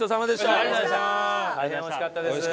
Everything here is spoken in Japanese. ありがとうございます。